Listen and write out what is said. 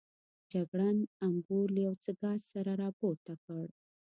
جګړن امبور له یو څه ګاز سره راپورته کړ.